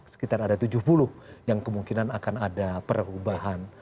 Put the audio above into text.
sekitar ada tujuh puluh yang kemungkinan akan ada perubahan